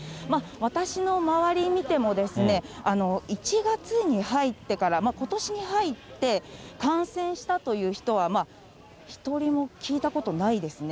私の周り見ても、１月に入ってから、ことしに入って、感染したという人は１人も聞いたことないですね。